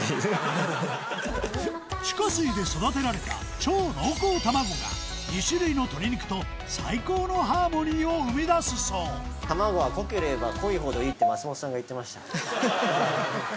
地下水で育てられた超濃厚卵が２種類の鶏肉と最高のハーモニーを生み出すそうって松本さんが言ってました。